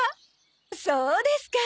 そうですか。